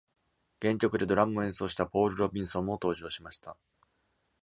原曲でドラムを演奏したポール・ロビンソンも登場しました。